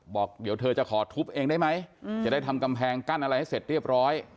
บอกเดี๋ยวเธอจะขอทุบเองได้ไหมจะได้ทำกำแพงกั้นอะไรให้เสร็จเรียบร้อย